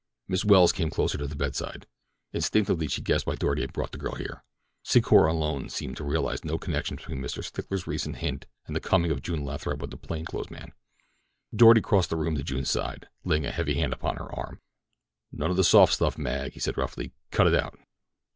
Miss Welles came closer to the bedside. Instinctively she guessed why Doarty had brought the girl here. Secor alone seemed to realize no connection between Mr. Stickler's recent hint and the coming of June Lathrop with the plain clothes man. Doarty crossed the room to June's side, laying a heavy hand upon her arm. "None of the soft stuff, Mag," he said roughly; "cut it out."